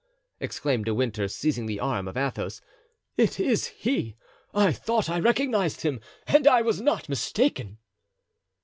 exclaimed De Winter, seizing the arm of Athos; "it is he! I thought I recognized him and I was not mistaken."